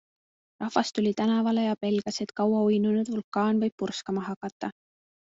Rahvas tuli tänavale ja pelgas, et kaua uinunud vulkaan võib purskama hakata.